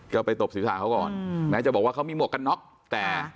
ก็ไปตบศีรษะเขาก่อนแม้จะบอกว่าเขามีหมวกกันน็อกแต่